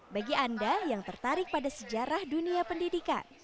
bagi anda yang tertarik pada sejarah dunia pendidikan